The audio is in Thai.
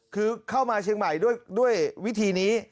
คือเข้ามาเชียงใหม่ด้วยวิธีนี้